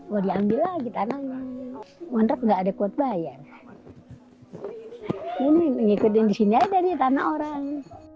boleh ambil lagi karena ngontrak enggak ada kuat bayar ini mengikuti di sini ada di tanah orang